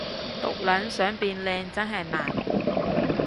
毒撚想變靚真係難